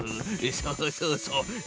そうそうそうよし。